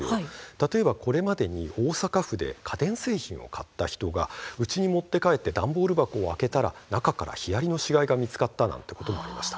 例えばこれまでに大阪府で家電製品を買った人がうちに持って帰って段ボール箱を開けたら、中からヒアリの死骸が見つかったということもありました。